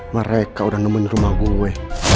mereka sudah membunuh rumah gue